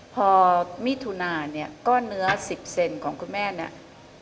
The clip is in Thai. พอมิถุนาเนี่ยก้อนเนื้อ๑๐เซนของคุณแม่เนี่ย